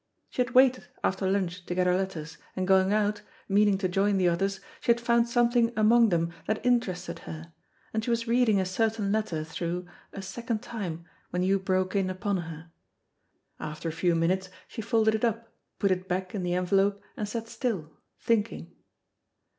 She had waited after lunch to get her letters, and going out, meaning to join the others, she had found something among them that interested her, and she was reading a certain letter through a second time when you broke in upon her. After a few minutes she folded it up, put it back in the envelope, and sat still, thinking.